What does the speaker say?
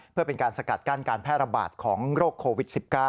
เพื่อเป็นการสกัดกั้นการแพร่ระบาดของโรคโควิด๑๙